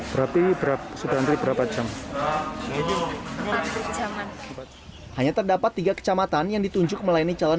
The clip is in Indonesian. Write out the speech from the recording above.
berapi berapa sudah antri berapa jam hanya terdapat tiga kecamatan yang ditunjuk melayani calon